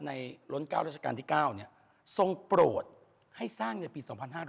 ในล้นเก้าราชกาลที่๙ทรงโปรดให้สร้างในปี๒๕๓๖